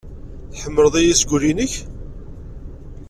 Tḥemmleḍ-iyi seg wul-nnek?